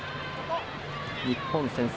日本、先制